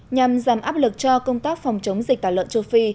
nhằm giảm áp lực cho công tác phòng chống dịch tả lợn châu phi